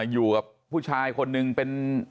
อยู่กับผู้ชายคนนึงเป็น